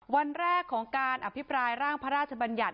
วันแรกของการอภิปรายร่างพระราชบัญญัติ